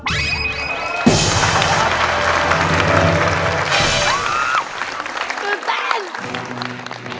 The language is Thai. ตื่นเต้น